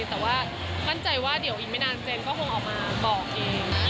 แต่ว่ามั่นใจว่าเดี๋ยวอีกไม่นานเจนก็คงออกมาบอกเองนะ